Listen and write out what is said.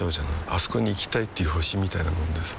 あそこに行きたいっていう星みたいなもんでさ